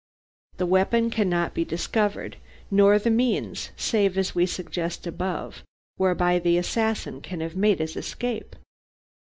The weapon cannot be discovered, nor the means save as we suggest above whereby the assassin can have made his escape.